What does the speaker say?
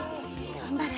頑張れ。